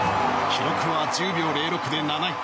記録は１０秒０６で７位。